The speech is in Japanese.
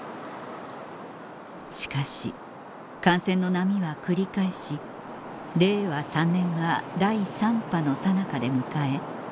しかし感染の波は繰り返し令和３年は第３波のさなかで迎え